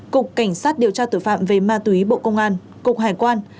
cục cảnh sát điều tra tử phạm về ma túy bộ công an cục hải quan